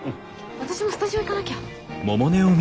私もスタジオ行かなきゃ。